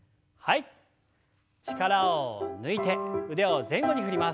力を抜いて腕を前後に振ります。